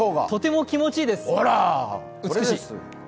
とても気持ちいいです、美しい。